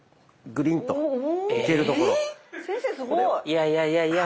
いやいやいやいや